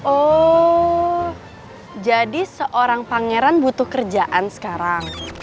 oh jadi seorang pangeran butuh kerjaan sekarang